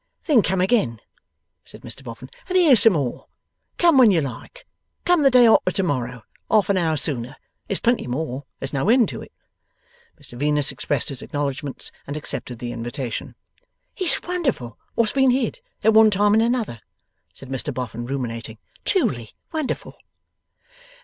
'Then come again,' said Mr Boffin, 'and hear some more. Come when you like; come the day after to morrow, half an hour sooner. There's plenty more; there's no end to it.' Mr Venus expressed his acknowledgments and accepted the invitation. 'It's wonderful what's been hid, at one time and another,' said Mr Boffin, ruminating; 'truly wonderful.